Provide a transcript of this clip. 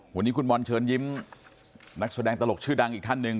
วันนี้คุณบอลเชิญยิ้มนักแสดงตลกชื่อดังอีกท่านหนึ่ง